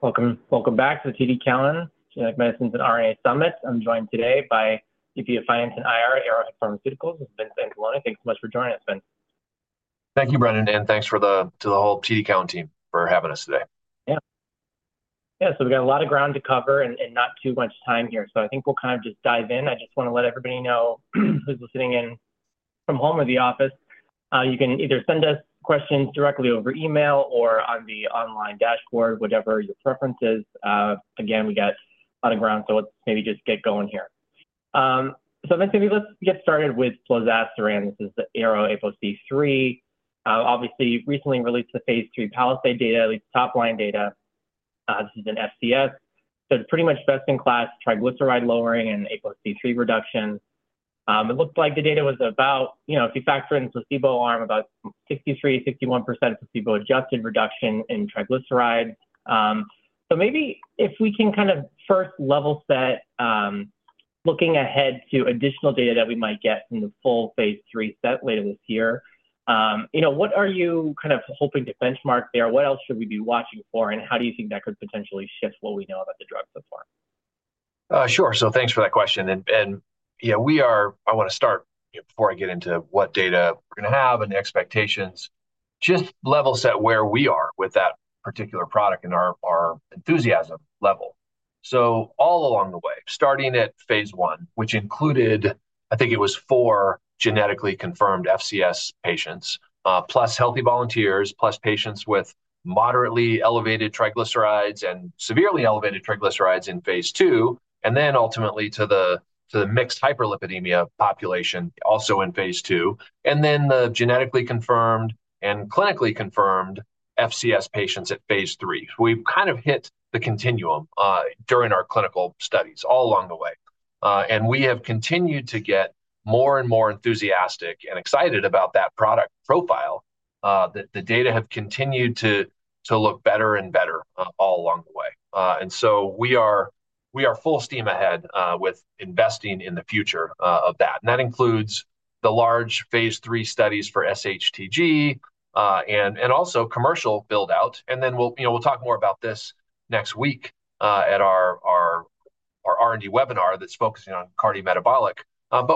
All right. Welcome back to the TD Cowen Genetic Medicines and RNA Summit. I'm joined today by VP of Finance and IR at Arrowhead Pharmaceuticals Vince Anzalone. Thanks so much for joining us, Vince. Thank you, Brendan, and thanks to the whole TD Cowen team for having us today. Yeah. Yeah. So we've got a lot of ground to cover and not too much time here. So I think we'll kind of just dive in. I just want to let everybody know who's listening in from home or the office. You can either send us questions directly over email or on the online dashboard, whatever your preference is. Again, we got a lot of ground, so let's maybe just get going here. So let's get started with plozasiran. This is the ARO-APOC3. Obviously, recently released the phase III PALISADE data, at least top-line data. This is an FCS. So it's pretty much best-in-class triglyceride lowering and ApoC3 reduction. It looked like the data was about, if you factor in placebo arm, about 63%, 61% placebo-adjusted reduction in triglycerides. Maybe if we can kind of first level set, looking ahead to additional data that we might get from the full phase III set later this year, what are you kind of hoping to benchmark there? What else should we be watching for? And how do you think that could potentially shift what we know about the drug so far? Sure. So thanks for that question. And yeah, I want to start before I get into what data we're going to have and the expectations, just level set where we are with that particular product and our enthusiasm level. So all along the way, starting at phase I, which included, I think it was 4 genetically confirmed FCS patients, plus healthy volunteers, plus patients with moderately elevated triglycerides and severely elevated triglycerides in phase II, and then ultimately to the mixed hyperlipidemia population also in phase II, and then the genetically confirmed and clinically confirmed FCS patients at phase III. We've kind of hit the continuum during our clinical studies all along the way. And we have continued to get more and more enthusiastic and excited about that product profile. The data have continued to look better and better all along the way. So we are full steam ahead with investing in the future of that. That includes the large phase III studies for sHTG and also commercial build-out. Then we'll talk more about this next week at our R&D webinar that's focusing on cardiometabolic.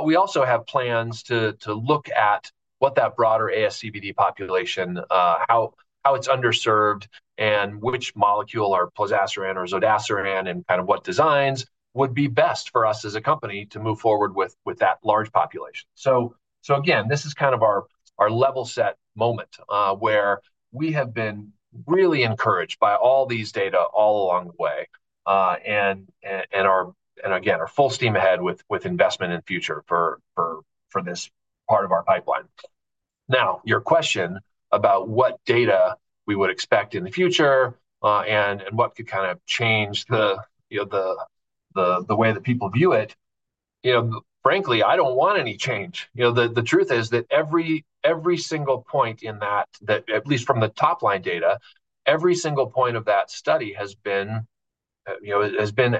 We also have plans to look at what that broader ASCVD population, how it's underserved, and which molecule, plozasiran or zodasiran and kind of what designs would be best for us as a company to move forward with that large population. Again, this is kind of our level set moment where we have been really encouraged by all these data all along the way and, again, are full steam ahead with investment and future for this part of our pipeline. Now, your question about what data we would expect in the future and what could kind of change the way that people view it, frankly, I don't want any change. The truth is that every single point in that, at least from the top-line data, every single point of that study has been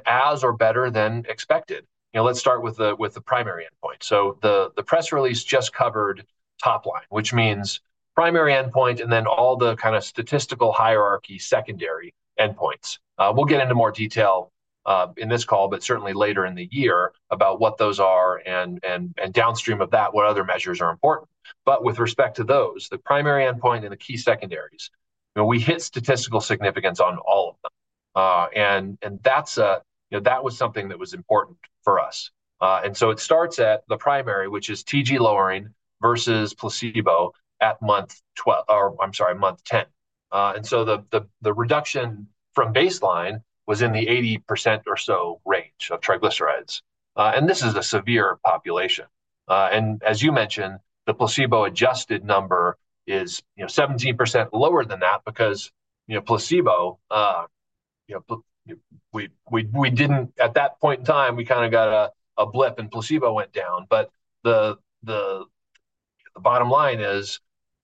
as or better than expected. Let's start with the primary endpoint. The press release just covered top-line, which means primary endpoint and then all the kind of statistical hierarchy secondary endpoints. We'll get into more detail in this call, but certainly later in the year about what those are and downstream of that, what other measures are important. With respect to those, the primary endpoint and the key secondaries, we hit statistical significance on all of them. That was something that was important for us. It starts at the primary, which is TG lowering versus placebo at month 12 or I'm sorry, month 10. The reduction from baseline was in the 80% or so range of triglycerides. This is a severe population. As you mentioned, the placebo-adjusted number is 17% lower than that because placebo, at that point in time, we kind of got a blip and placebo went down. But the bottom line is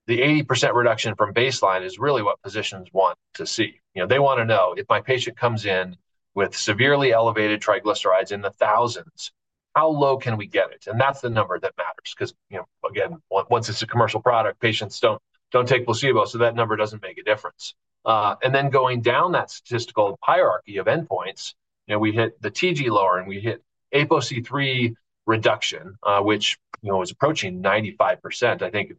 the 80% reduction from baseline is really what physicians want to see. They want to know if my patient comes in with severely elevated triglycerides in the thousands, how low can we get it? That's the number that matters because, again, once it's a commercial product, patients don't take placebo, so that number doesn't make a difference. And then, going down that statistical hierarchy of endpoints, we hit the TG lower and we hit APOC3 reduction, which was approaching 95%, I think,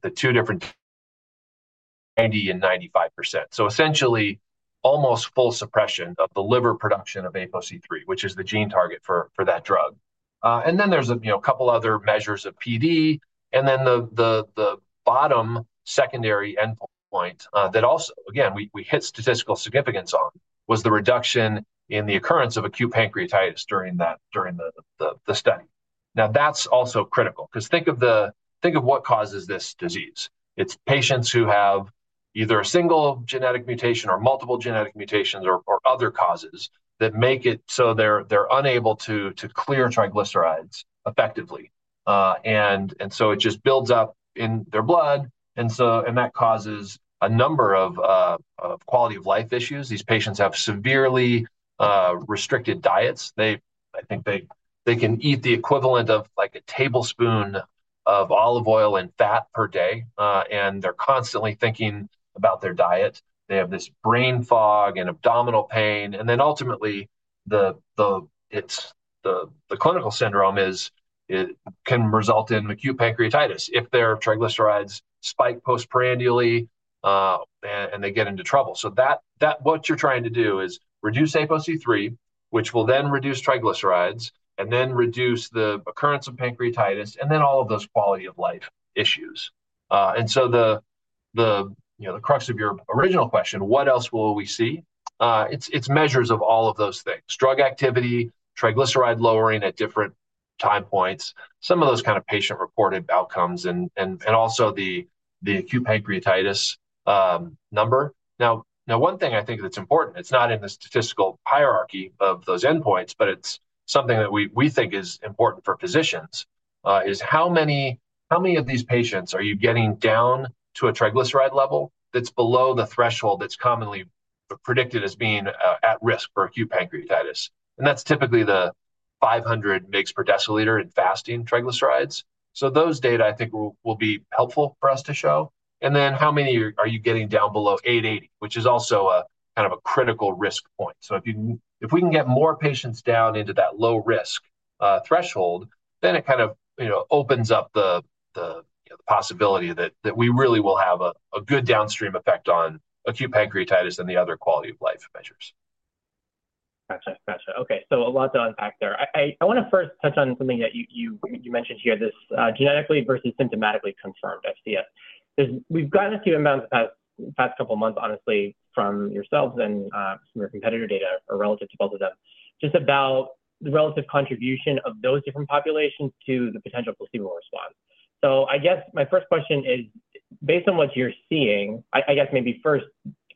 the two different 90% and 95%. So essentially, almost full suppression of the liver production of APOC3, which is the gene target for that drug. And then there's a couple of other measures of PD. And then the bottom secondary endpoint that also, again, we hit statistical significance on was the reduction in the occurrence of acute pancreatitis during the study. Now, that's also critical because think of what causes this disease. It's patients who have either a single genetic mutation or multiple genetic mutations or other causes that make it so they're unable to clear triglycerides effectively. And so it just builds up in their blood. And that causes a number of quality of life issues. These patients have severely restricted diets. I think they can eat the equivalent of a tablespoon of olive oil and fat per day. They're constantly thinking about their diet. They have this brain fog and abdominal pain. Then ultimately, the clinical syndrome can result in acute pancreatitis if their triglycerides spike postprandially and they get into trouble. What you're trying to do is reduce APOC3, which will then reduce triglycerides and then reduce the occurrence of pancreatitis and then all of those quality of life issues. The crux of your original question, what else will we see? It's measures of all of those things: drug activity, triglyceride lowering at different time points, some of those kind of patient-reported outcomes, and also the acute pancreatitis number. Now, one thing I think that's important, it's not in the statistical hierarchy of those endpoints, but it's something that we think is important for physicians, is how many of these patients are you getting down to a triglyceride level that's below the threshold that's commonly predicted as being at risk for acute pancreatitis? And that's typically the 500 mg/dL in fasting triglycerides. So those data, I think, will be helpful for us to show. And then how many are you getting down below 880, which is also kind of a critical risk point? So if we can get more patients down into that low-risk threshold, then it kind of opens up the possibility that we really will have a good downstream effect on acute pancreatitis and the other quality of life measures. Gotcha. Gotcha. Okay. So a lot to unpack there. I want to first touch on something that you mentioned here, this genetically versus clinically confirmed FCS. We've gotten a few inbounds the past couple of months, honestly, from yourselves and some of your competitor data relative to both of them, just about the relative contribution of those different populations to the potential placebo response. So I guess my first question is, based on what you're seeing, I guess maybe first,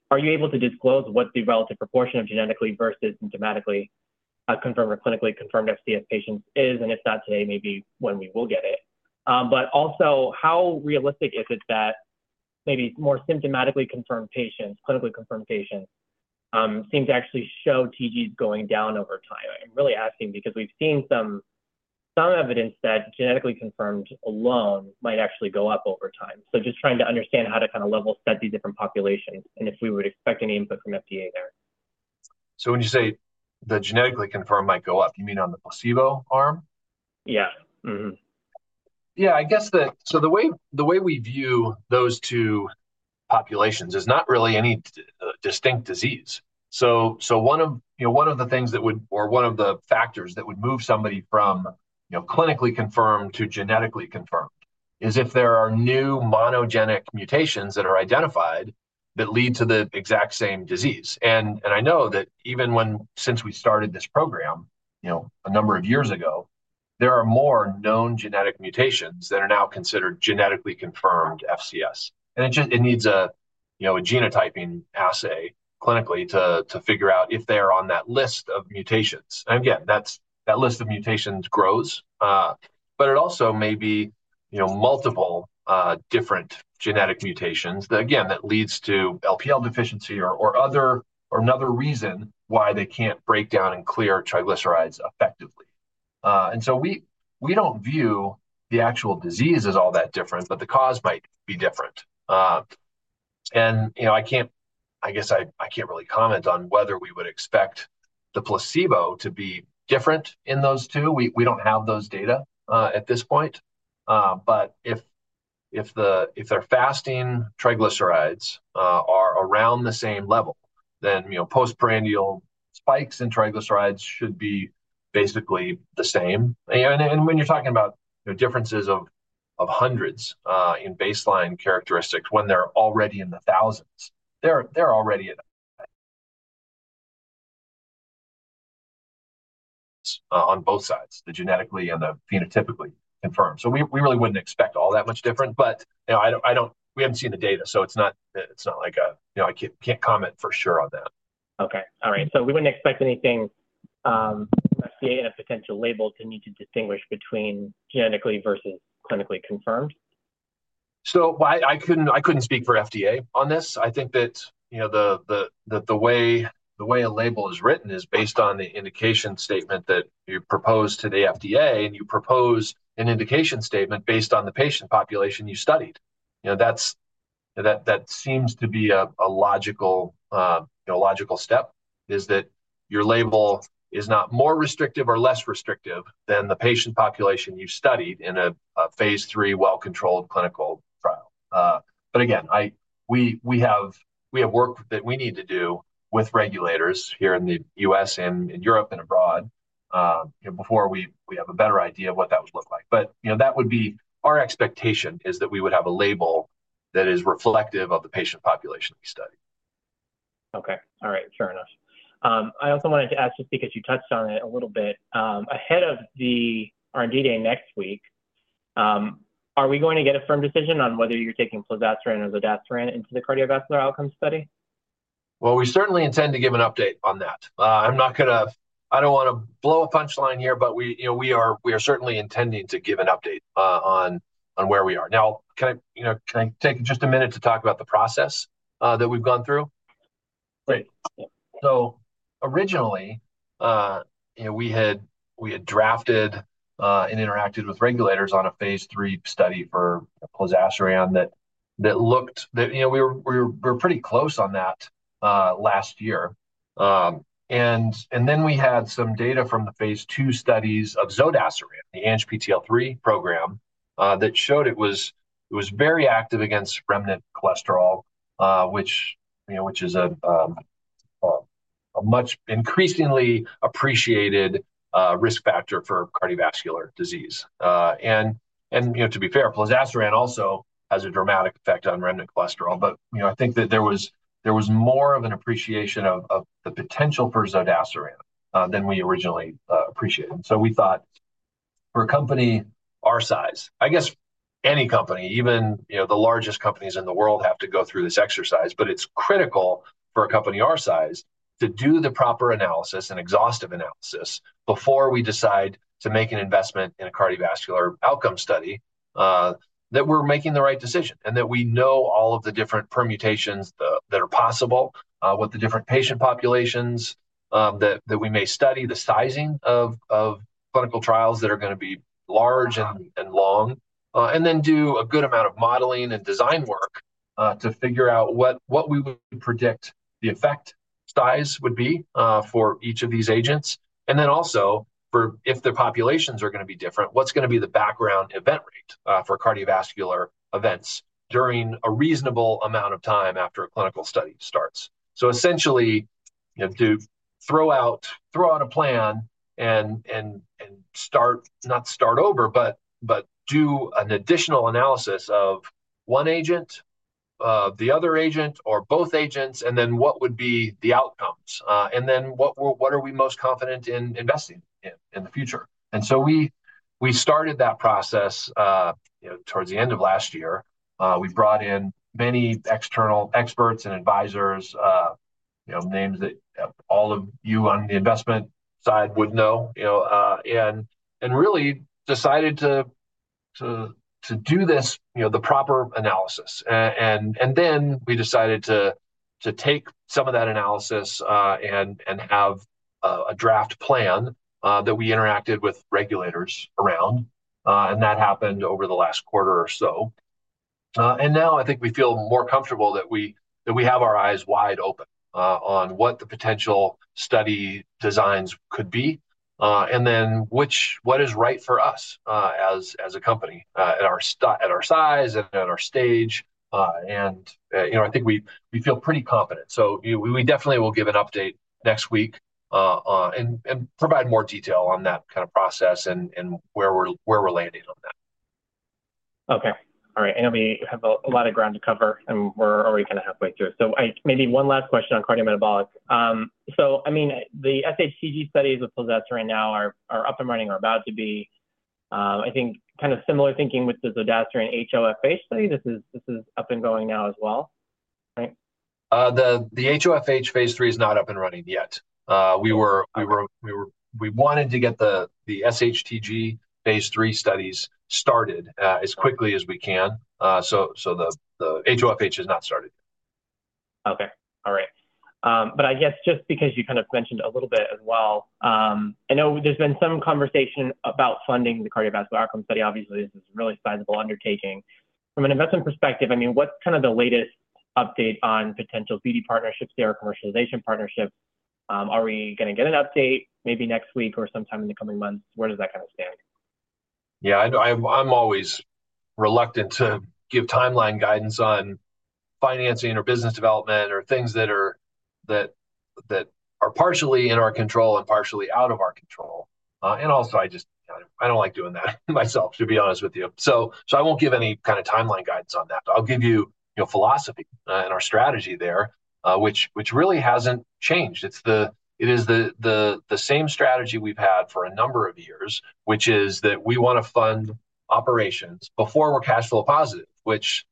are you able to disclose what the relative proportion of genetically versus clinically confirmed FCS patients is? And if not today, maybe when we will get it. But also, how realistic is it that maybe more clinically confirmed patients seem to actually show TGs going down over time? I'm really asking because we've seen some evidence that genetically confirmed alone might actually go up over time. So just trying to understand how to kind of level set these different populations and if we would expect any input from FDA there. So when you say the genetically confirmed might go up, you mean on the placebo arm? Yeah. Yeah. I guess that so the way we view those two populations is not really any distinct disease. So one of the things that would, or one of the factors that would move somebody from clinically confirmed to genetically confirmed is if there are new monogenic mutations that are identified that lead to the exact same disease. And I know that even since we started this program a number of years ago, there are more known genetic mutations that are now considered genetically confirmed FCS. And it needs a genotyping assay clinically to figure out if they are on that list of mutations. And again, that list of mutations grows, but it also may be multiple different genetic mutations that, again, that leads to LPL deficiency or another reason why they can't break down and clear triglycerides effectively. We don't view the actual disease as all that different, but the cause might be different. I guess I can't really comment on whether we would expect the placebo to be different in those two. We don't have those data at this point. But if their fasting triglycerides are around the same level, then postprandial spikes in triglycerides should be basically the same. And when you're talking about differences of hundreds in baseline characteristics when they're already in the thousands, they're already on both sides, the genetically and the phenotypically confirmed. So we really wouldn't expect all that much different, but we haven't seen the data, so it's not like I can't comment for sure on that. Okay. All right. So we wouldn't expect anything from FDA in a potential label to need to distinguish between genetically versus clinically confirmed? I couldn't speak for FDA on this. I think that the way a label is written is based on the indication statement that you propose to the FDA, and you propose an indication statement based on the patient population you studied. That seems to be a logical step, that your label is not more restrictive or less restrictive than the patient population you studied in a phase III well-controlled clinical trial. Again, we have work that we need to do with regulators here in the U.S. and in Europe and abroad before we have a better idea of what that would look like. That would be our expectation, that we would have a label that is reflective of the patient population we study. Okay. All right. Fair enough. I also wanted to ask just because you touched on it a little bit, ahead of the R&D day next week, are we going to get a firm decision on whether you're taking plozasiran or zodasiran into the cardiovascular outcome study? Well, we certainly intend to give an update on that. I don't want to blow a punchline here, but we are certainly intending to give an update on where we are. Now, can I take just a minute to talk about the process that we've gone through? Great. So originally, we had drafted and interacted with regulators on a phase III study for plozasiran that looked. We were pretty close on that last year. And then we had some data from the phase II studies of zodasiran in the ANGPTL3 program that showed it was very active against remnant cholesterol, which is a much increasingly appreciated risk factor for cardiovascular disease. And to be fair, plozasiran also has a dramatic effect on remnant cholesterol. But I think that there was more of an appreciation of the potential for zodasiran than we originally appreciated. And so we thought for a company our size, I guess any company, even the largest companies in the world, have to go through this exercise. It's critical for a company our size to do the proper analysis and exhaustive analysis before we decide to make an investment in a cardiovascular outcome study that we're making the right decision and that we know all of the different permutations that are possible, what the different patient populations that we may study, the sizing of clinical trials that are going to be large and long, and then do a good amount of modeling and design work to figure out what we would predict the effect size would be for each of these agents. Then also, if the populations are going to be different, what's going to be the background event rate for cardiovascular events during a reasonable amount of time after a clinical study starts? So essentially, to throw out a plan and not start over, but do an additional analysis of one agent, the other agent, or both agents, and then what would be the outcomes? And then what are we most confident in investing in the future? And so we started that process towards the end of last year. We brought in many external experts and advisors, names that all of you on the investment side would know, and really decided to do the proper analysis. And then we decided to take some of that analysis and have a draft plan that we interacted with regulators around. And that happened over the last quarter or so. Now I think we feel more comfortable that we have our eyes wide open on what the potential study designs could be and then what is right for us as a company at our size and at our stage. I think we feel pretty confident. We definitely will give an update next week and provide more detail on that kind of process and where we're landing on that. Okay. All right. I know we have a lot of ground to cover, and we're already kind of halfway through. So maybe one last question on cardiometabolics. So I mean, the sHTG studies with zodasiran now are up and running or about to be. I think kind of similar thinking with the zodasiran HoFH study. This is up and going now as well, right? The HoFH phase III is not up and running yet. We wanted to get the sHTG phase III studies started as quickly as we can. The HoFH is not started yet. Okay. All right. But I guess just because you kind of mentioned a little bit as well, I know there's been some conversation about funding the cardiovascular outcome study. Obviously, this is a really sizable undertaking. From an investment perspective, I mean, what's kind of the latest update on potential BD partnerships or commercialization partnerships? Are we going to get an update maybe next week or sometime in the coming months? Where does that kind of stand? Yeah. I'm always reluctant to give timeline guidance on financing or business development or things that are partially in our control and partially out of our control. And also, I don't like doing that myself, to be honest with you. So I won't give any kind of timeline guidance on that. I'll give you philosophy and our strategy there, which really hasn't changed. It is the same strategy we've had for a number of years, which is that we want to fund operations before we're cash flow positive, which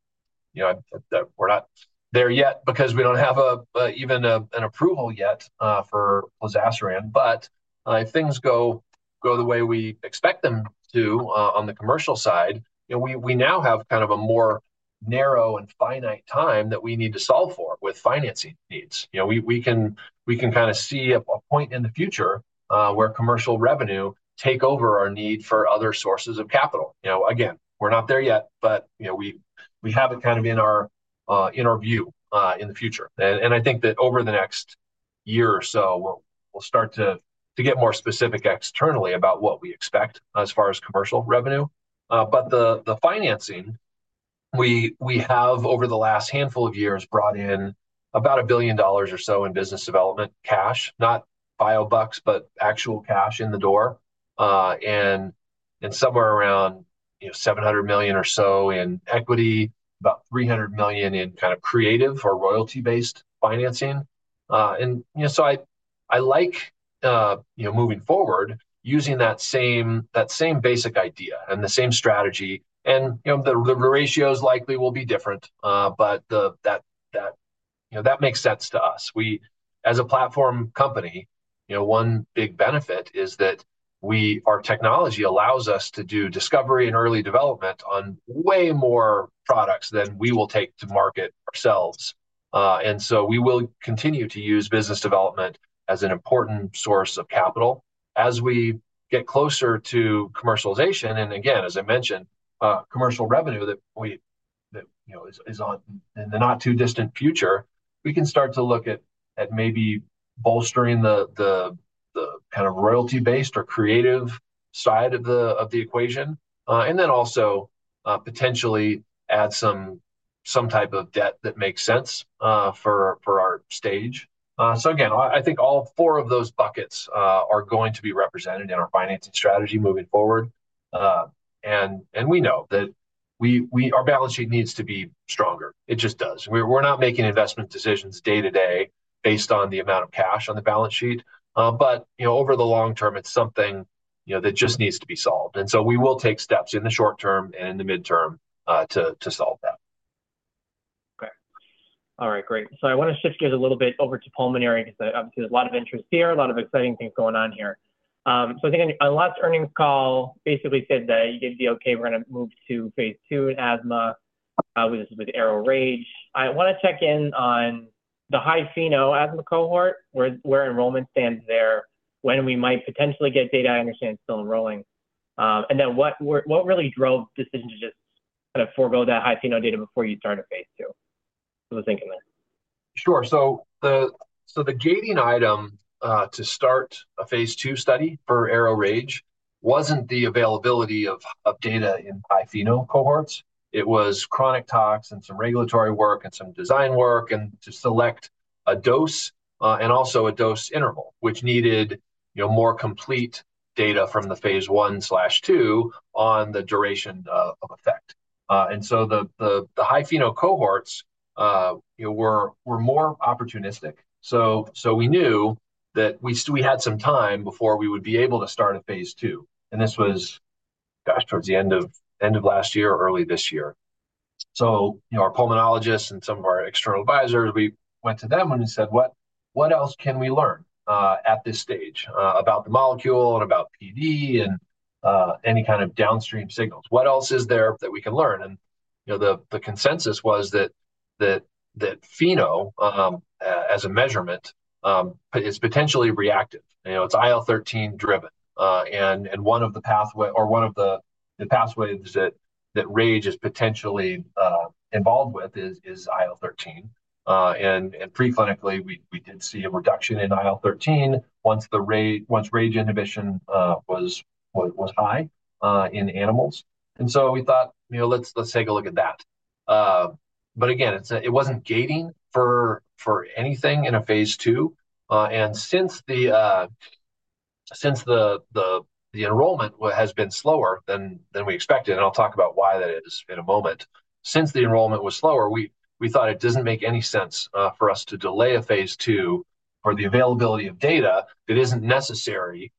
we're not there yet because we don't have even an approval yet for plozasiran. But if things go the way we expect them to on the commercial side, we now have kind of a more narrow and finite time that we need to solve for with financing needs. We can kind of see a point in the future where commercial revenue takes over our need for other sources of capital. Again, we're not there yet, but we have it kind of in our view in the future. I think that over the next year or so, we'll start to get more specific externally about what we expect as far as commercial revenue. The financing, we have over the last handful of years brought in about $1 billion or so in business development cash, not bio bucks, but actual cash in the door, and somewhere around $700 million or so in equity, about $300 million in kind of creative or royalty-based financing. So I like, moving forward, using that same basic idea and the same strategy. The ratios likely will be different, but that makes sense to us. As a platform company, one big benefit is that our technology allows us to do discovery and early development on way more products than we will take to market ourselves. And so we will continue to use business development as an important source of capital. As we get closer to commercialization, and again, as I mentioned, commercial revenue that is in the not-too-distant future, we can start to look at maybe bolstering the kind of royalty-based or creative side of the equation, and then also potentially add some type of debt that makes sense for our stage. So again, I think all four of those buckets are going to be represented in our financing strategy moving forward. And we know that our balance sheet needs to be stronger. It just does. We're not making investment decisions day-to-day based on the amount of cash on the balance sheet. Over the long term, it's something that just needs to be solved. We will take steps in the short term and in the midterm to solve that. Okay. All right. Great. So I want to shift gears a little bit over to pulmonary because obviously there's a lot of interest here, a lot of exciting things going on here. So I think on last earnings call, basically said that you didn't see, "Okay, we're going to move to phase II in asthma." This was with ARO-RAGE. I want to check in on the high-FeNO asthma cohort, where enrollment stands there, when we might potentially get data. I understand it's still enrolling. And then what really drove the decision to just kind of forego that high-FeNO data before you started phase II? I was thinking this. Sure. So the gating item to start a phase II study for ARO-RAGE wasn't the availability of data in high-FeNO cohorts. It was chronic tox and some regulatory work and some design work and to select a dose and also a dose interval, which needed more complete data from the phase I/II on the duration of effect. And so the high-FeNO cohorts were more opportunistic. So we knew that we had some time before we would be able to start a phase II. And this was, gosh, towards the end of last year or early this year. So our pulmonologists and some of our external advisors, we went to them and we said, "What else can we learn at this stage about the molecule and about PD and any kind of downstream signals? What else is there that we can learn?" The consensus was that FeNO, as a measurement, is potentially reactive. It's IL-13 driven. One of the pathways or one of the pathways that RAGE is potentially involved with is IL-13. Preclinically, we did see a reduction in IL-13 once RAGE inhibition was high in animals. So we thought, "Let's take a look at that." But again, it wasn't gating for anything in a phase II. Since the enrollment has been slower than we expected, and I'll talk about why that is in a moment, since the enrollment was slower, we thought it doesn't make any sense for us to delay a phase II for the availability of data that isn't necessary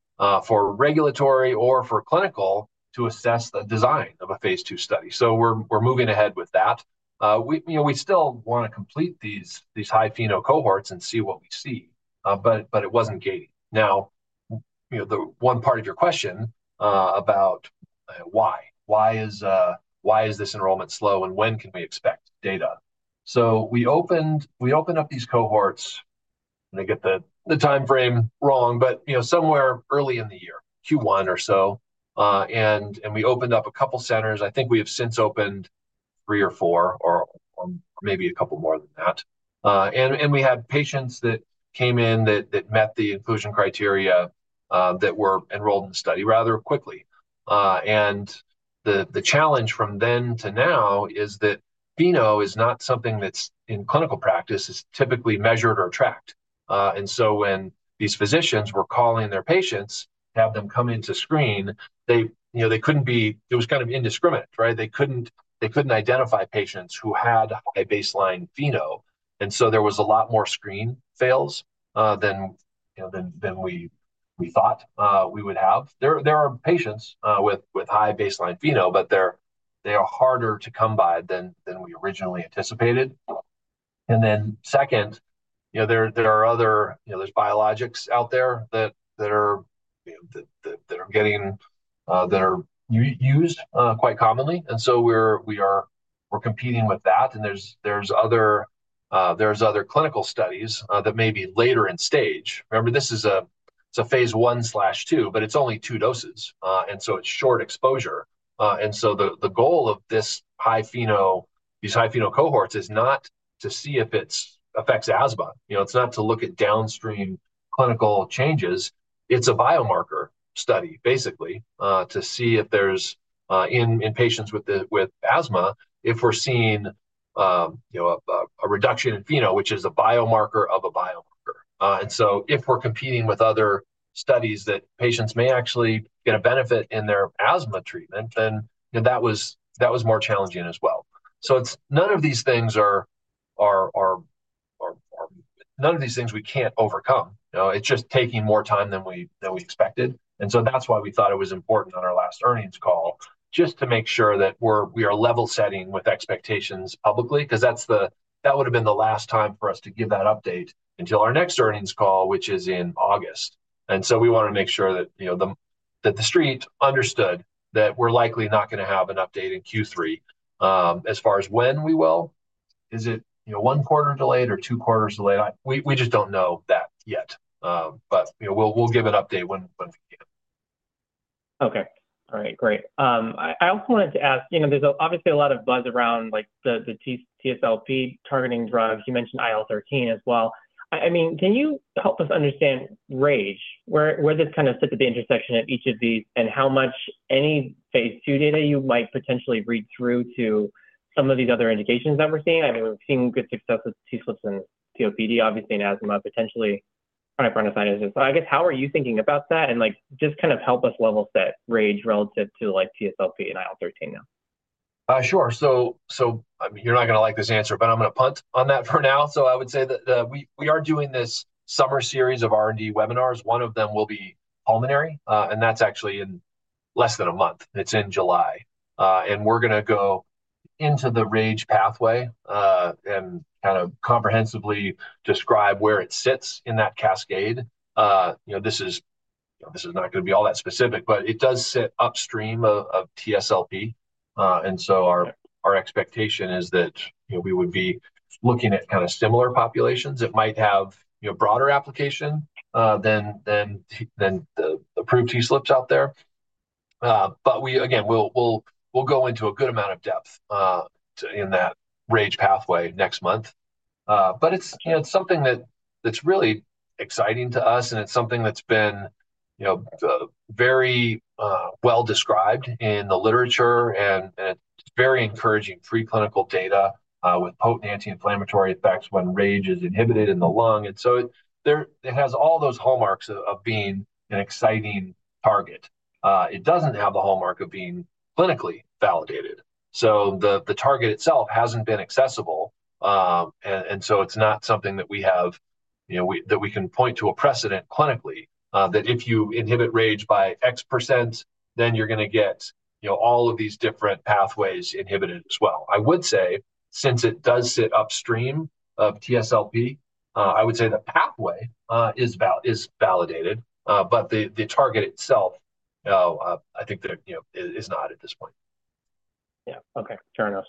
for regulatory or for clinical to assess the design of a phase II study. So we're moving ahead with that. We still want to complete these high-FeNO cohorts and see what we see. But it wasn't gating. Now, the one part of your question about why? Why is this enrollment slow and when can we expect data? So we opened up these cohorts. I'm going to get the timeframe wrong, but somewhere early in the year, Q1 or so. And we opened up a couple of centers. I think we have since opened three or four or maybe a couple more than that. And we had patients that came in that met the inclusion criteria that were enrolled in the study rather quickly. And the challenge from then to now is that FeNO is not something that's in clinical practice. It's typically measured or tracked. And so when these physicians were calling their patients to have them come in to screen, they couldn't be. It was kind of indiscriminate, right? They couldn't identify patients who had high baseline FeNO. And so there was a lot more screen fails than we thought we would have. There are patients with high baseline FeNO, but they are harder to come by than we originally anticipated. And then second, there are other, there's biologics out there that are getting, that are used quite commonly. And so we're competing with that. And there's other clinical studies that may be later in stage. Remember, this is a phase I/II, but it's only two doses. And so it's short exposure. And so the goal of these high-FeNO cohorts is not to see if it affects asthma. It's not to look at downstream clinical changes. It's a biomarker study, basically, to see if there's in patients with asthma, if we're seeing a reduction in FeNO, which is a biomarker of a biomarker. If we're competing with other studies that patients may actually get a benefit in their asthma treatment, then that was more challenging as well. None of these things we can't overcome. It's just taking more time than we expected. That's why we thought it was important on our last earnings call, just to make sure that we are level-setting with expectations publicly, because that would have been the last time for us to give that update until our next earnings call, which is in August. We want to make sure that the street understood that we're likely not going to have an update in Q3. As far as when we will, is it one quarter delayed or two quarters delayed? We just don't know that yet. We'll give an update when we can. Okay. All right. Great. I also wanted to ask, there's obviously a lot of buzz around the TSLP targeting drugs. You mentioned IL-13 as well. I mean, can you help us understand RAGE? Where does it kind of sit at the intersection of each of these and how much any phase II data you might potentially read through to some of these other indications that we're seeing? I mean, we've seen good success with TSLPs and COPD, obviously, and asthma, potentially chronic bronchitis. So I guess, how are you thinking about that? And just kind of help us level-set RAGE relative to TSLP and IL-13 now. Sure. So you're not going to like this answer, but I'm going to punt on that for now. So I would say that we are doing this summer series of R&D webinars. One of them will be pulmonary, and that's actually in less than a month. It's in July. And we're going to go into the RAGE pathway and kind of comprehensively describe where it sits in that cascade. This is not going to be all that specific, but it does sit upstream of TSLP. And so our expectation is that we would be looking at kind of similar populations. It might have a broader application than the approved TSLPs out there. But again, we'll go into a good amount of depth in that RAGE pathway next month. But it's something that's really exciting to us, and it's something that's been very well described in the literature, and it's very encouraging preclinical data with potent anti-inflammatory effects when RAGE is inhibited in the lung. And so it has all those hallmarks of being an exciting target. It doesn't have the hallmark of being clinically validated. So the target itself hasn't been accessible. And so it's not something that we have that we can point to a precedent clinically that if you inhibit RAGE by X%, then you're going to get all of these different pathways inhibited as well. I would say, since it does sit upstream of TSLP, I would say the pathway is validated, but the target itself, I think that it is not at this point. Yeah. Okay. Fair enough.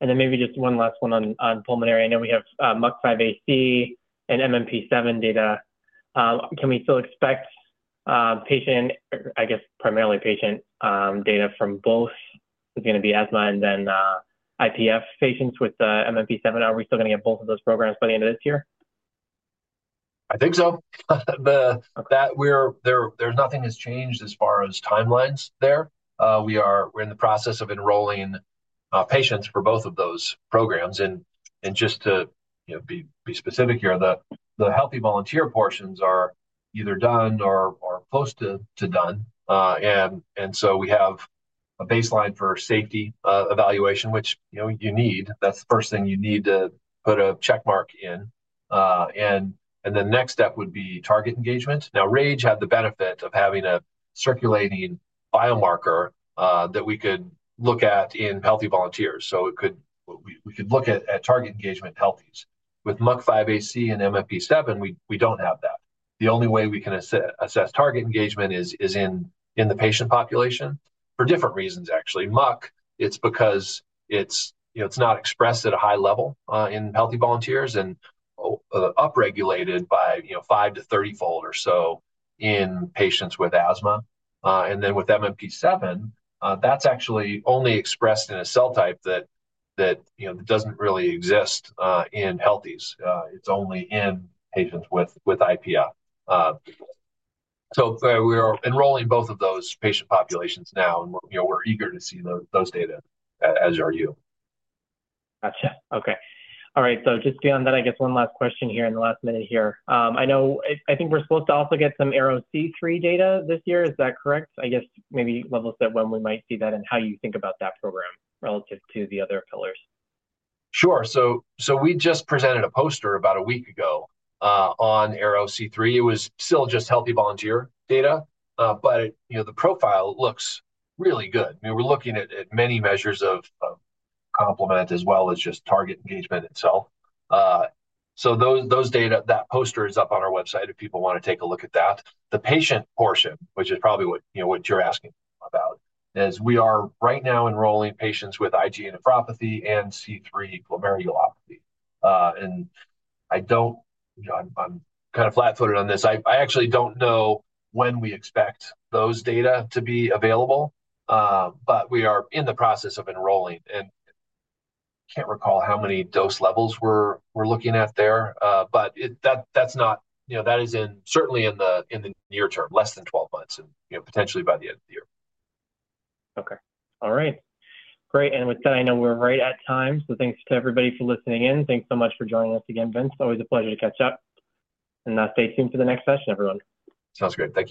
And then maybe just one last one on pulmonary. I know we have MUC5AC and MMP7 data. Can we still expect patient, I guess, primarily patient data from both is going to be asthma and then IPF patients with MMP7? Are we still going to get both of those programs by the end of this year? I think so. There's nothing has changed as far as timelines there. We're in the process of enrolling patients for both of those programs. Just to be specific here, the healthy volunteer portions are either done or close to done. So we have a baseline for safety evaluation, which you need. That's the first thing you need to put a check mark in. Then the next step would be target engagement. Now, RAGE had the benefit of having a circulating biomarker that we could look at in healthy volunteers. So we could look at target engagement healthies. With MUC5AC and MMP7, we don't have that. The only way we can assess target engagement is in the patient population for different reasons, actually. MUC, it's because it's not expressed at a high level in healthy volunteers and upregulated by 5- to 30-fold or so in patients with asthma. And then with MMP7, that's actually only expressed in a cell type that doesn't really exist in healthies. It's only in patients with IPF. So we're enrolling both of those patient populations now, and we're eager to see those data, as are you. Gotcha. Okay. All right. So just beyond that, I guess one last question here in the last minute here. I think we're supposed to also get some ARO-C3 data this year. Is that correct? I guess maybe level-set when we might see that and how you think about that program relative to the other pillars. Sure. So we just presented a poster about a week ago on ARO-C3. It was still just healthy volunteer data, but the profile looks really good. I mean, we're looking at many measures of complement as well as just target engagement itself. So that poster is up on our website if people want to take a look at that. The patient portion, which is probably what you're asking about, is we are right now enrolling patients with IgA nephropathy and C3 glomerulopathy. And I'm kind of flat-footed on this. I actually don't know when we expect those data to be available, but we are in the process of enrolling. And I can't recall how many dose levels we're looking at there, but that's not—that is certainly in the near term, less than 12 months and potentially by the end of the year. Okay. All right. Great. And with that, I know we're right at time. So thanks to everybody for listening in. Thanks so much for joining us again, Vince. Always a pleasure to catch up. And stay tuned for the next session, everyone. Sounds great. Thank you.